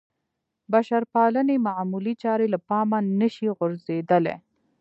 بشرپالنې معمولې چارې له پامه نه شي غورځېدلی.